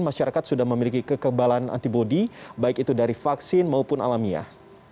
masyarakat sudah memiliki kekebalan antibody baik itu dari vaksin maupun alamiah